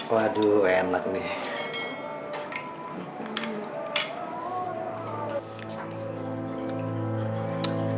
waduh enak nih